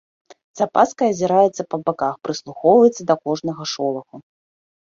З апаскай азіраецца па баках, прыслухоўваецца да кожнага шолаху.